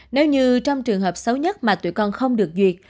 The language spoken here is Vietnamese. nếu như trong trường hợp xấu nhất mà tuổi con không được duyệt